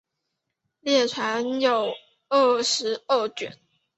列传有二十二卷。